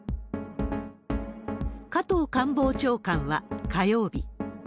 加藤官房長官は火曜日。